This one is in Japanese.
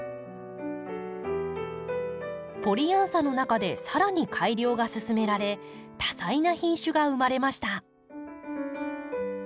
ポリアンサの中で更に改良が進められ多彩な品種が生まれました。